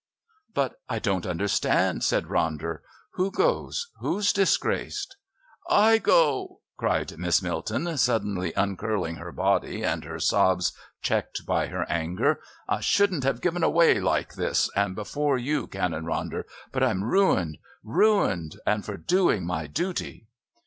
"But I don't understand," said Ronder, "who goes? Who's disgraced?" "I go!" cried Miss Milton, suddenly uncurling her body and her sobs checked by her anger. "I shouldn't have given way like this, and before you, Canon Ronder. But I'm ruined ruined! and for doing my duty!"